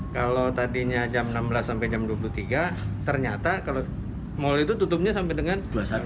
kalau tadinya jam enam belas sampai jam dua puluh tiga ternyata kalau mal itu tutupnya sampai dengan dua puluh satu